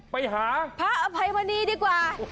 ไปหาพระอภัยมณีดีกว่า